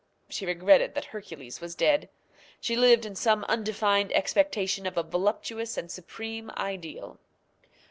She regretted that Hercules was dead. She lived in some undefined expectation of a voluptuous and supreme ideal.